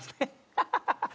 ハハハハ！